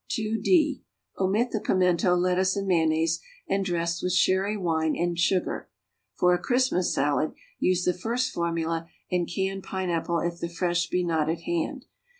2d. Omit the pimento, lettuce and mayonnaise, and dress with sherry wine and sugar. For a Christmas salad, use the first formula and canned pineapple if the fresh be not at hand.